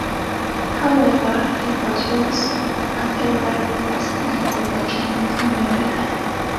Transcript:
However, it was once a favorite pastime of the Chinese in America.